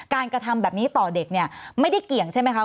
กระทำแบบนี้ต่อเด็กเนี่ยไม่ได้เกี่ยงใช่ไหมคะ